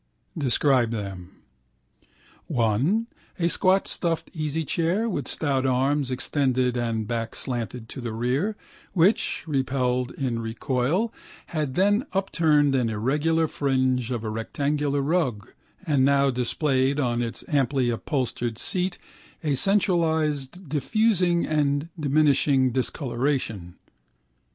Describe them. One: a squat stuffed easychair, with stout arms extended and back slanted to the rere, which, repelled in recoil, had then upturned an irregular fringe of a rectangular rug and now displayed on its amply upholstered seat a centralised diffusing and diminishing discolouration.